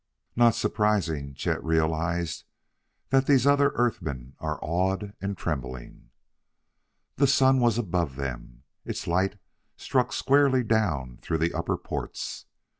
"Not surprising," Chet realized, "that these other Earthmen are awed and trembling!" The sun was above them; its light struck squarely down through the upper ports.